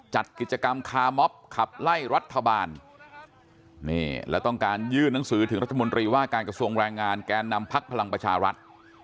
จัดกิจกรรมคาม็อบขับไล่รัฐบาลนี่แล้วต้องการยื่นหนังสือถึงรัฐมนตรีว่าการกระทรวงแรงงานแกนนำพักพลังประชารัฐ